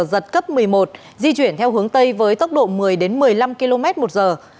giật cấp một mươi một di chuyển theo hướng tây với tốc độ một mươi một mươi năm km một giờ